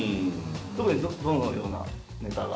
特にどのようなネタが？